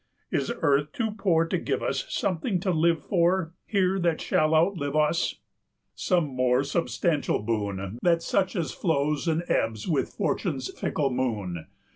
Is earth too poor to give us 70 Something to live for here that shall outlive us? Some more substantial boon Than such as flows and ebbs with Fortune's fickle moon?